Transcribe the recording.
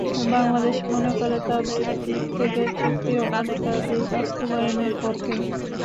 বাংলাদেশ মনে করে, তাদের দিক থেকে চুক্তি অনেক আগেই বাস্তবায়নের পথে।